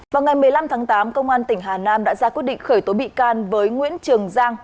vào ngày một mươi năm tháng tám công an tỉnh hà nam đã ra quyết định khởi tố bị can với nguyễn trường giang